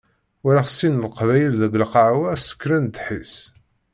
Walaɣ sin n Leqbayel deg lqahwa ssekren ddḥis.